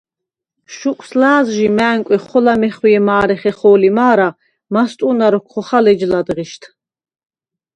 შუკვს ლა̄ზჟი მა̄̈ნკვი ხოლა მეხვიე მა̄რე ხეხო̄ლი მა̄რა, მასტუ̄ნა̄ როქვ ხოხალ ეჯ ლა̈დღიშდ.